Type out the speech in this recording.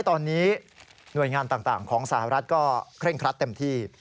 ตอนนี้หน่วยงานต่างของสหรัฐก็เคร่งครัดเต็มที่